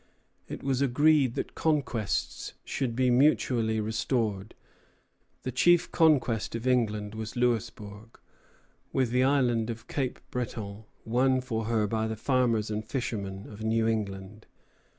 It was agreed that conquests should be mutually restored. The chief conquest of England was Louisbourg, with the island of Cape Breton, won for her by the farmers and fishermen of New England.